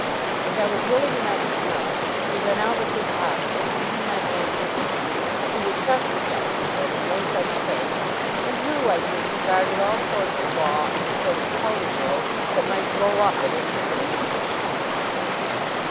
As I was willing enough to know, we went out with this object, leaving my aunt behind; who would trust herself, she said, in no such place, and who, I think, regarded all Courts of Law as a sort of powder mills that might blow up at any time.